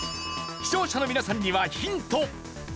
視聴者の皆さんにはヒント。